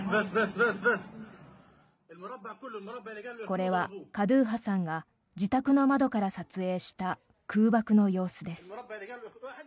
これはカドゥーハさんが自宅の窓から撮影した空爆の様子です。